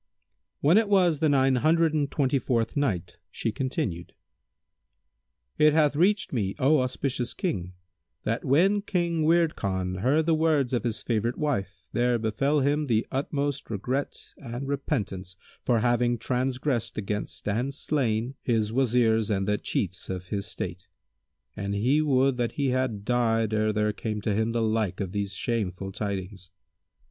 When it was the Nine Hundred and Twenty fourth Night, She continued: It hath reached me, O auspicious King, that when King Wird Khan heard the words of his favourite wife there befel him the utmost regret and repentance for having transgressed against and slain his Wazirs and the chiefs of his state, and he would that he had died ere there came to him the like of these shameful tidings.